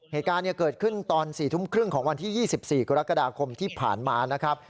เหตุการณ์เกิดขึ้นตอน๔ทุ่มครึ่งของวันที่๒๔กรกฎาคมที่ผ่านมานะครับ